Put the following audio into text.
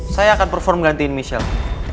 saya akan perform gantiin michelle